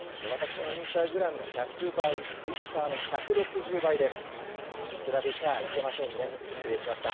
私のインスタグラムの１００倍、ツイッターの１６０倍です。